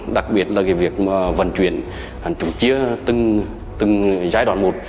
đặc biệt là việc vận chuyển chia từng giai đoạn một